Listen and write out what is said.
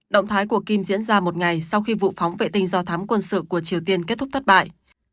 động thái của kim diễn ra một ngày sau khi vụ phóng vệ tinh do thám quân sự của triều tiên kết thúc thất bại